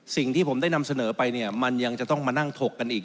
สิ่งที่ผมได้นำเสนอไปเนี่ยมันยังจะต้องมานั่งถกกันอีก